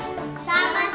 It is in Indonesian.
sama sama pak polisi